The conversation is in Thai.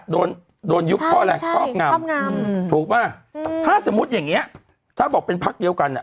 โดนโดนยุบเพราะอะไรครอบงำถูกป่ะถ้าสมมุติอย่างเงี้ยถ้าบอกเป็นพักเดียวกันอ่ะ